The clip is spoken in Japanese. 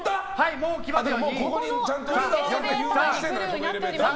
もう来ますよ！